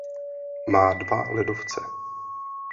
Má dva ledovce.